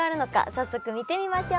早速見てみましょう。